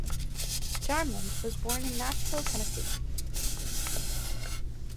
Jarman was born in Nashville, Tennessee.